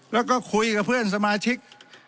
แล้วก็คุยกับเพื่อนสมาชิก